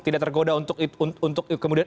tidak tergoda untuk kemudian